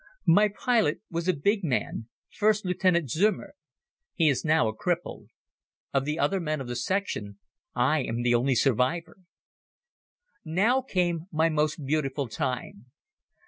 My pilot was a big gun, First Lieutenant Zeumer. He is now a cripple. Of the other men of the Section, I am the only survivor. Now came my most beautiful time.